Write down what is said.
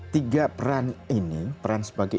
tiga peran ini peran sebagai